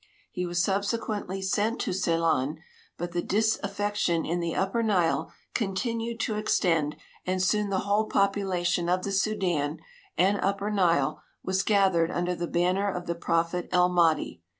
He was subsequently sent to Ceylon, but the disaffec tion in the upper Nile continued to extend, and soon the whole population of the Sudan and upper Nile was gathered under the banner of the prophet El Mahdi.